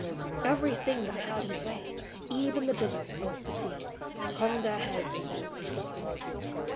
Every thing that heard him play, Even the billows of the sea, Hung their heads, and then lay by.